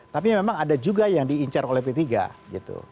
tapi memang ada juga yang diincar oleh p tiga gitu